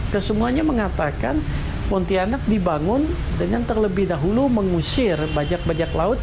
kesemuanya mengatakan pontianak dibangun dengan terlebih dahulu mengusir bajak bajak laut